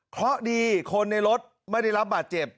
เพราะดีคนในรถไม่ได้รับบาดเจ็บ